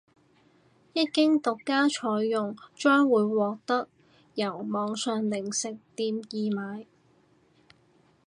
一經獨家採用將會獲得由網上零食店易買